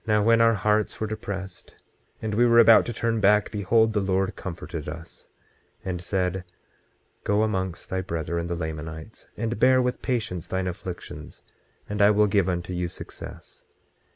26:27 Now when our hearts were depressed, and we were about to turn back, behold, the Lord comforted us, and said: Go amongst thy brethren, the Lamanites, and bear with patience thine afflictions, and I will give unto you success.